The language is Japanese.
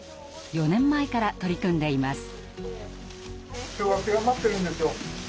４年前から取り組んでいます。